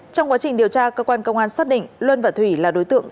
trong quá trình điều tra cơ quan công an xác định luân và thủy là đối tượng